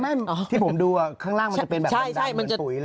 ไม่ที่ผมดูข้างล่างมันจะเป็นแบบลงดายเหมือนปุ๋ยเลย